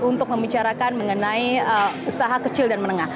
untuk membicarakan mengenai usaha kecil dan menengah